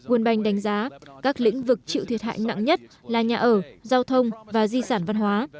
world bank đánh giá các lĩnh vực chịu thiệt hại nặng nhất là nhà ở giao thông và di sản văn hóa